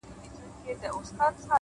د جهنم منځ کي د اوسپني زنځیر ویده دی ـ